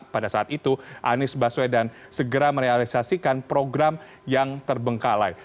pada saat itu anies baswedan segera merealisasikan program yang terbengkalai